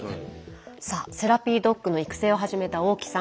さあセラピードッグの育成を始めた大木さん。